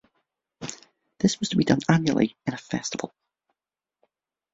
This was to be done annually in a festival.